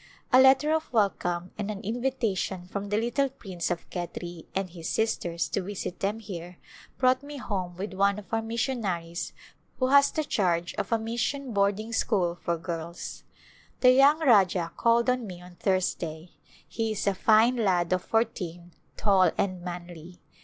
A letter of welcome and an invitation from the little Prince of Khetri and his sisters to visit them here brought me home with one of our missionaries who has the charge of a mission boarding school for girls. The young Rajah called on me on Thursday. He is a fine lad of fourteen, tall and manly.